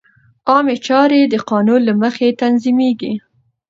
عامه چارې د قانون له مخې تنظیمېږي.